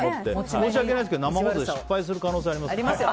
申し訳ないですけど生放送で失敗する可能性ありますよ。